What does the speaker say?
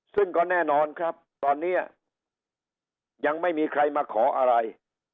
ซึ่งก็แน่นอนครับตอนนี้ยังไม่มีใครมาขออะไร